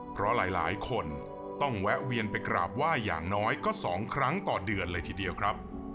เพราะหลายคนต้องแวะเวียนไปกราบไหว้อย่างน้อยก็๒ครั้งต่อเดือนเลยทีเดียวครับ